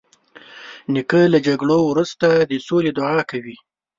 نیکه له جګړو وروسته د سولې دعا کوي.